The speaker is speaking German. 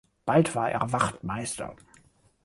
Bald war er Wachtmeister.